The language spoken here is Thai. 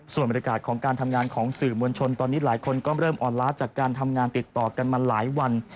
ส่วนบรรยากาศของการทำงานของสื่อมวลชนตอนนี้หลายคนก็เริ่มอ่อนล้าจากการทำงานติดต่อกันมาหลายวัน